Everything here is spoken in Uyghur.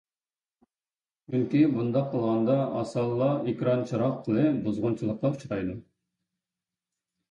چۈنكى بۇنداق قىلغاندا ئاسانلا ئېكران چىراغ قىلى بۇزغۇنچىلىققا ئۇچرايدۇ.